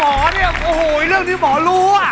เนี่ยโอ้โหเรื่องที่หมอรู้อ่ะ